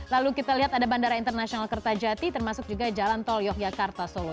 lalu kita lihat ada bandara internasional kertajati termasuk juga jalan tol yogyakarta solo